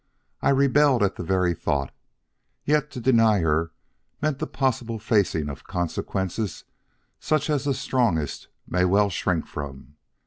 I rebelled at the very thought. Yet to deny her meant the possible facing of consequences such as the strongest may well shrink from.